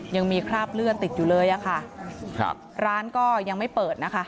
ยังมีคราบเลือดติดอยู่เลยอะค่ะครับร้านก็ยังไม่เปิดนะคะ